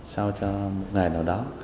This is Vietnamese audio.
sao cho một ngày nào đó